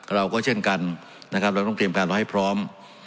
เราก็เช่นกันนะครับเราต้องเตรียมการเราให้พร้อม